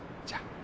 じゃあ。